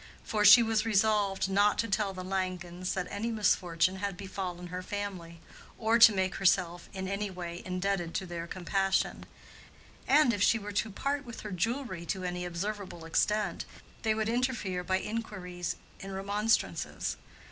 For she was resolved not to tell the Langens that any misfortune had befallen her family, or to make herself in any way indebted to their compassion; and if she were to part with her jewelry to any observable extent, they would interfere by inquiries and remonstrances.